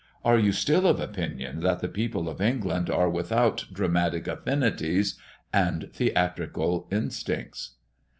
Are you still of opinion, that the people of England are without dramatic affinities and theatrical instincts?"